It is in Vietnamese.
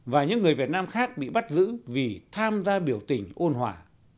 và những người việt nam khác bị bắt giữ vì tham gia biểu tình ôn hòa